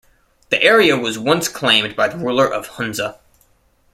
The area was once claimed by the ruler of Hunza.